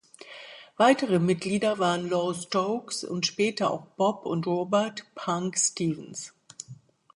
Weitere Mitglieder waren Lowe Stokes und später auch Bob und Robert „Punk“ Stephens.